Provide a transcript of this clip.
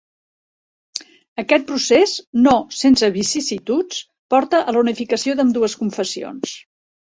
Aquest procés, no sense vicissituds, porta a la unificació d'ambdues confessions.